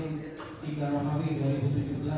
mungkin sekarang tidak bisa